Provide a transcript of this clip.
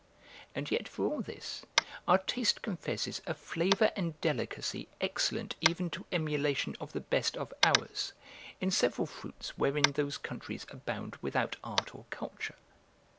And yet for all this, our taste confesses a flavour and delicacy excellent even to emulation of the best of ours, in several fruits wherein those countries abound without art or culture.